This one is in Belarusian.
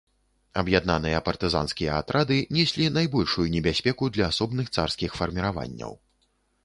Аб'яднаныя партызанскія атрады неслі найбольшую небяспеку для асобных царскіх фарміраванняў.